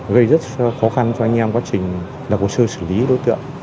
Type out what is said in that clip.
gây rất khó khăn cho anh em quá trình lập hồ sơ xử lý đối tượng